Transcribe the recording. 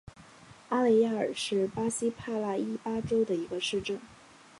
阿雷亚尔是巴西帕拉伊巴州的一个市镇。